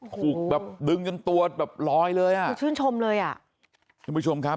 ถูกแบบดึงจนตัวแบบลอยเลยอ่ะคือชื่นชมเลยอ่ะท่านผู้ชมครับ